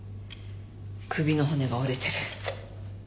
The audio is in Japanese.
首の骨が折れてる。